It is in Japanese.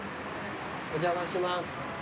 お邪魔します。